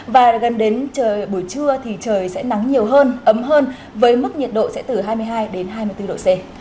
và gần đến trời buổi trưa thì trời sẽ nắng nhiều hơn ấm hơn với mức nhiệt độ sẽ từ hai mươi hai đến hai mươi bốn độ c